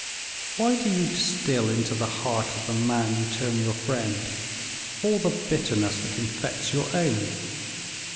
Why do you distill into the heart of the man you term your friend all the bitterness that infects your own?